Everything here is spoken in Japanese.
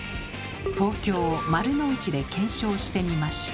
東京・丸の内で検証してみました。